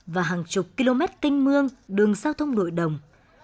và hàng chục km tinh mương đường xao thông nội đồng